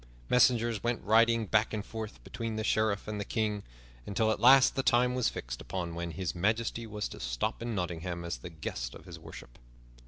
Messengers went riding back and forth between the Sheriff and the King, until at last the time was fixed upon when His Majesty was to stop in Nottingham, as the guest of his worship.